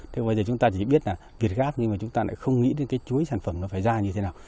thế bây giờ chúng ta chỉ biết là việt gáp nhưng mà chúng ta lại không nghĩ đến cái chuỗi sản phẩm nó phải ra như thế nào